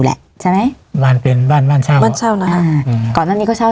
แหละใช่ไหมบ้านเป็นบ้านบ้านเช่าบ้านเช่านะอ่าอืมก่อนหน้านี้เขาเช่า